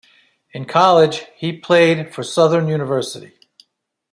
In college, he played for Southern University.